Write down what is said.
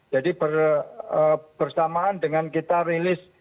jadi bersamaan dengan kita rilis